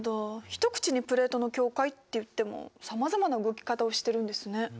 一口にプレートの境界っていってもさまざまな動き方をしてるんですね。